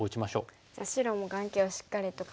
じゃあ白も眼形をしっかりと確保して。